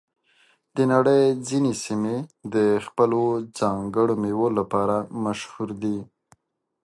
د نړۍ ځینې سیمې د خپلو ځانګړو میوو لپاره مشهور دي.